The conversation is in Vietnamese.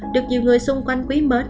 được nhiều người xung quanh quý mến